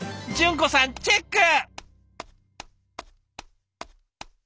淳子さんチェック！